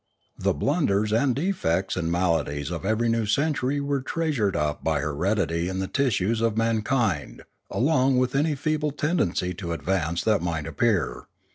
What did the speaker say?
The blunders and defects and maladies of every new century were treasured up by heredity in the tissues of man kind along with any feeble tendency to advance that might appear.